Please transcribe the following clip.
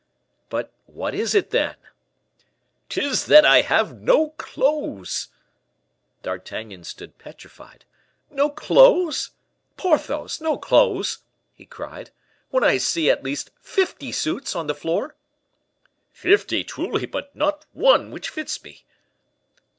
"But what is it, then?" "'Tis that I have no clothes!" D'Artagnan stood petrified. "No clothes! Porthos, no clothes!" he cried, "when I see at least fifty suits on the floor." "Fifty, truly; but not one which fits me!"